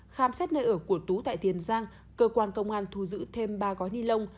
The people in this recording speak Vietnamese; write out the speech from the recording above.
khám xét nơi ở của tú tại tiền giang cơ quan công an thu giữ thêm ba gói ni lông